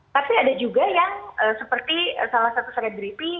tapi ada juga yang seperti salah satu seri dripi